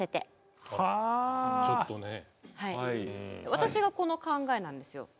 私がこの考えなんですよ。